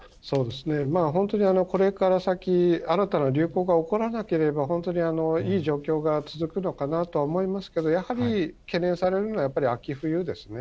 本当にこれから先、新たな流行が起こらなければ、本当にいい状況が続くのかなとは思いますけど、やはり懸念されるのはやっぱり秋冬ですね。